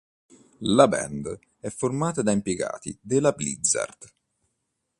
La band è formata da impiegati della Blizzard.